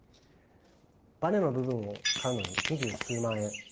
バネの部分を買うのに二十数万円。